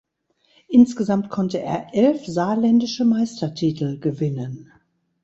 Insgesamt konnte er elf Saarländische Meistertitel gewinnen.